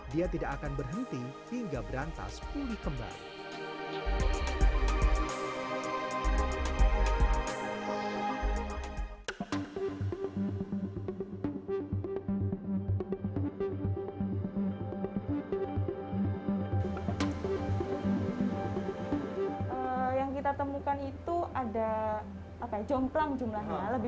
dia tidak akan berhenti hingga berantas pulih kembali